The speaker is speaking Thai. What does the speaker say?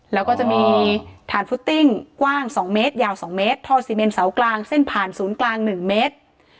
แล้วก็จะมีฐานฟุตติ้งกว้าง๒เมตรยาว๒เมตรท่อซีเมนเสากลางเส้นผ่านศูนย์กลาง๑เมตร